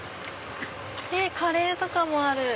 カレーとかもある！